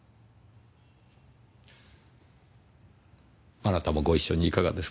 あなたもご一緒にいかがですか？